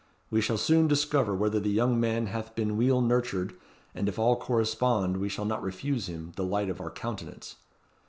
We shall soon discover whether the young man hath been weel nurtured, and if all correspond we shall not refuse him the light of our countenance."